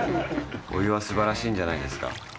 お湯はすばらしいんじゃないですか。